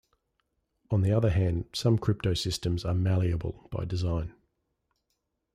On the other hand, some cryptosystems are malleable by design.